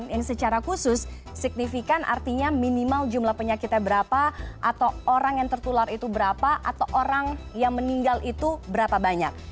yang secara khusus signifikan artinya minimal jumlah penyakitnya berapa atau orang yang tertular itu berapa atau orang yang meninggal itu berapa banyak